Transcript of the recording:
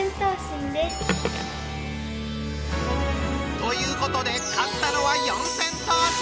ということで勝ったのは四千頭身！